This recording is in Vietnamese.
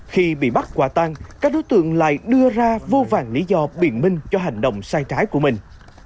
khi bị bắt quả tan các đối tượng lại đưa ra vô vàng lý do biển minh cho hành động sai trái của mình